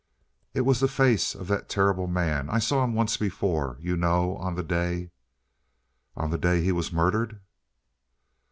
"It was the face of that terrible man. I saw him once before, you know. On the day " "On the day he was murdered!"